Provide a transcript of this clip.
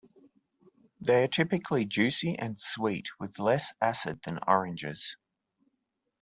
They are typically juicy and sweet, with less acid than oranges.